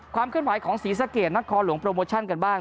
ความเคลื่อนไหวของศรีสะเกดนักคอหลวงโปรโมชั่นกันบ้าง